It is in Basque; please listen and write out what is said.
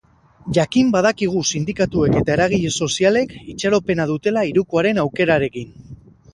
Jakin badakigu sindikatuek eta eragile sozialek itxaropena dutela hirukoaren aukerarekin.